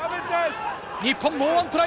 日本、もう１トライ